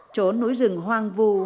chốn núi rừng hoang vù